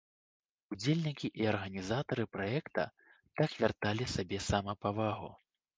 Удзельнікі і арганізатары праекта так вярталі сабе самапавагу.